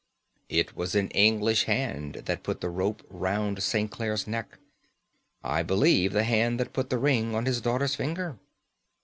"It was an English hand that put the rope round St. Clare's neck; I believe the hand that put the ring on his daughter's finger.